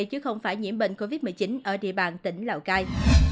chứ không phải nhiễm bệnh covid một mươi chín ở địa bàn tỉnh lào cai